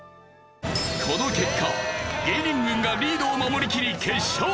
この結果芸人軍がリードを守りきり決勝へ！